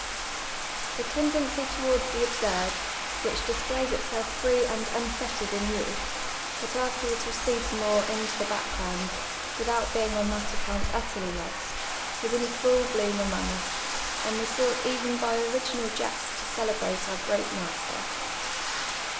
The teinlcnoy towards the absurd, wliicli displays itself free and unfettered in youth, but aftiTwards recedes more into the back;^n>uiul, without bein*; on that account utterly lost, was ill full bloom amon<^ us, and we Kou^;ht even ])y ori<;inal jests to cehbrate our ^reat master.